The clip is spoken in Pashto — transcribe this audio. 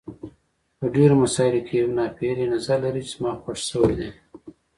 په ډېرو مسایلو کې یو ناپېیلی نظر لري چې زما خوښ شوی دی.